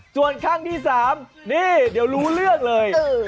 จวนครั้งที่สามนี่เดี๋ยวรู้เรื่องเลย